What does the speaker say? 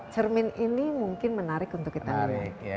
cermin ini mungkin menarik untuk kita lihat